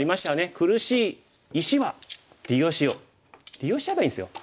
「苦しい石は利用しよう」利用しちゃえばいいんですよ。